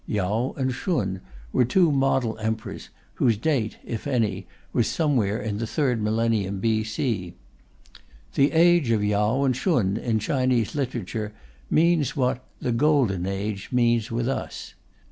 Yao and Shun were two model Emperors, whose date (if any) was somewhere in the third millennium B.C. "The age of Yao and Shun," in Chinese literature, means what "the Golden Age" mean with us.